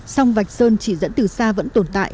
sông vạch sơn chỉ dẫn từ xa vẫn tồn tại